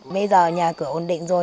bây giờ nhà cửa ổn định rồi